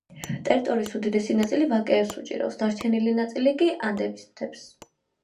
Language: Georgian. ტერიტორიის უდიდესი ნაწილი ვაკეებს უჭირავს, დარჩენილი ნაწილი კი ანდების მთებს.